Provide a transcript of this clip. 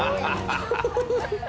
ハハハハ。